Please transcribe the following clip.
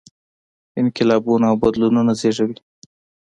انقلابونه او بدلونونه زېږوي.